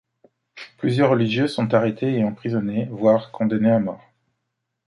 Plusieurs religieuses sont arrêtées et emprisonnées, voire condamnées à mort.